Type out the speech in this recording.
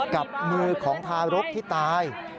กับมือของทารกที่ตาย